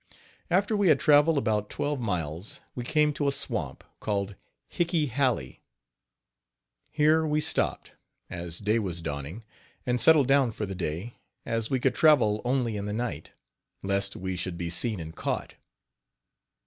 After we had traveled about twelve miles, we came to a swamp, called Hicke Halley. Here we stopped, as day was dawning, and settled down for the day, as we could travel only in the night, lest we should be seen and caught.